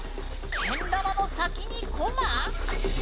けん玉の先にコマ？